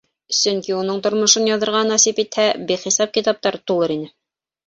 Сөнки уның тормошон яҙырға насип итһә, бихисап китаптар тулыр ине.